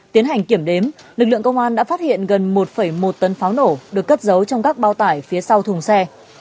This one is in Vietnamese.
tiến hành kiểm đếm lực lượng công an đã phát hiện gần một một tấn pháo nổ được cất giấu trong các bao tải phía sau thùng xe